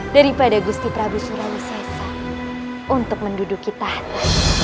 daripada gusti prabu surawisesa untuk menduduki tahanan